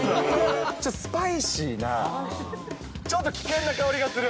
ちょっとスパイシーな、ちょっと危険な香りがする。